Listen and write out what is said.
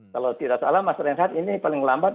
kalau tidak salah mas renhat ini paling lambat